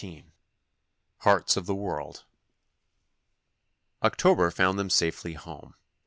XIII "HEARTS OF THE WORLD" October found them safely home.